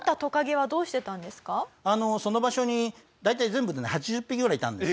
その場所に大体全部でね８０匹ぐらいいたんです。